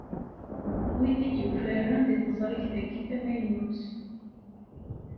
Wid i d-yufraren deg teẓrigt-agi tamaynut.